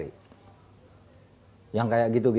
itu sudah diperbaiki